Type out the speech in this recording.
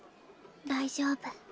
大丈夫。